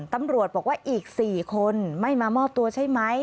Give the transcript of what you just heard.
ตำรวจบอกว่าอีก๔คนไม่มามอบตัวใช่ไหม